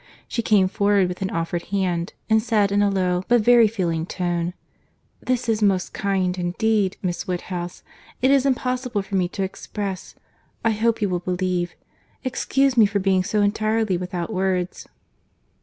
— She came forward with an offered hand; and said, in a low, but very feeling tone, "This is most kind, indeed!—Miss Woodhouse, it is impossible for me to express—I hope you will believe—Excuse me for being so entirely without words."